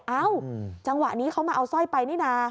เอ้าจังหวะนี้เขามาเอาสร้อยไปนี่นะ